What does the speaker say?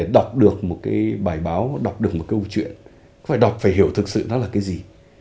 đọc được một cái bài báo đọc được một câu chuyện phải đọc phải hiểu thực sự nó là cái gì